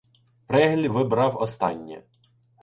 Прегль вибрав останнє.